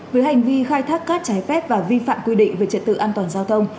với hành vi khai thác cát trái phép và vi phạm quy định về trật tự an toàn giao thông